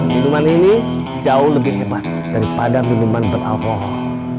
minuman ini jauh lebih hebat daripada minuman beralkohol